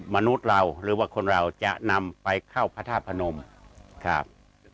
มนุษย์เราหรือว่าคนเราจะนำไปเข้าพระธาตุพนมครับ